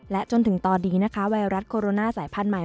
และจนถึงตอนนี้นะคะไวรัสโคโรนาสายพันธุ์ใหม่